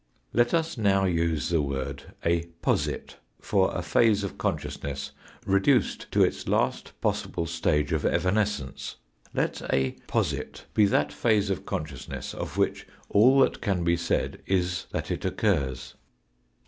Let us now use the word a "posit" for a phase of consciousness reduced to its last possible stage of evanescence ; let a posit be that phase of consciousness of which all that can be said is that it occurs.